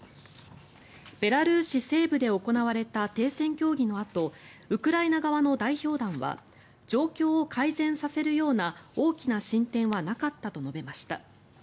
ベラルーシ西部で行われた停戦協議のあとウクライナ側の代表団は状況を改善させるような大きな進展はなかったと述べました。